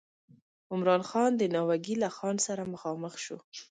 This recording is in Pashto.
عمرا خان د ناوګي له خان سره مخامخ شو.